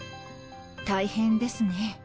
大変ですね。